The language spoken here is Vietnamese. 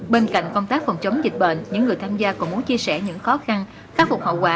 bên cạnh công tác phòng chống dịch bệnh những người tham gia còn muốn chia sẻ những khó khăn khắc phục hậu quả